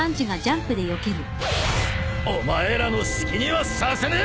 お前らの好きにはさせねえ！